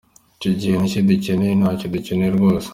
Icyo gihe nta cyo dukeneye, ntacyo dukeneye rwose.